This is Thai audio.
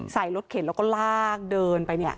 ใส่รถเข็นแล้วก็ลากเดินไป